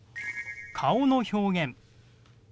顔の表現。